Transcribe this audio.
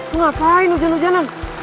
lo ngapain hujan hujanan